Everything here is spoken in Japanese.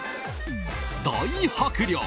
大迫力！